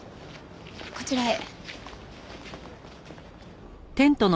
こちらへ。